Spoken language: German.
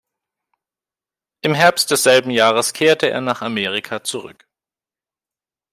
Im Herbst desselben Jahres kehrte er nach Amerika zurück.